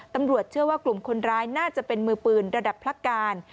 ตำรวจเชื่อว่ากลุ่มคนร้ายน่าจะเป็นมือปืนระดับพระการ